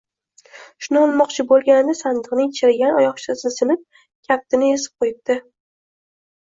Shuni olmoqchi bo‘lganida, sandiqning chirigan oyoqchasi sinib, kaptini ezib qo‘yibdi